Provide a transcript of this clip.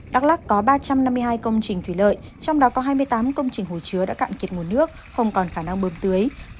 đắk lắc có ba trăm năm mươi hai công trình thủy lợi trong đó có hai mươi tám công trình hồ chứa đã cạn kiệt nguồn nước không còn khả năng bơm tưới